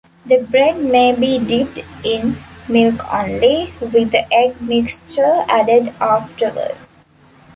The bread may be dipped in milk only, with the egg mixture added afterwards.